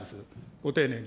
ご丁寧に。